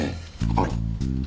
あら。